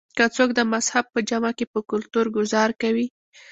کۀ څوک د مذهب پۀ جامه کښې پۀ کلتور ګذار کوي